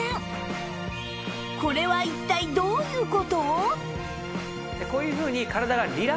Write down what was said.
これは一体どういう事？